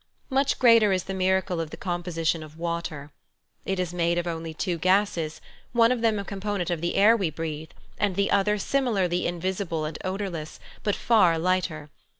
Much greater is the miracle of the composition of water. It is made of only two gases, one of them a component of the air we breathe, and the other similarly invisible and odourless, but far lighter.